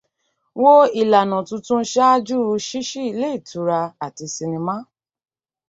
Wo ìlànà tuntun ṣáájú ṣíṣí ilé ìtura àti sinimá.